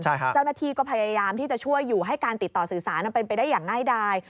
เจ้าหน้าที่ก็พยายามที่จะช่วยอยู่ให้การติดต่อสื่อสารมันเป็นไปได้อย่างง่ายดาย